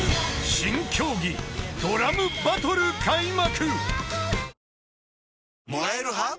［新競技ドラムバトル開幕］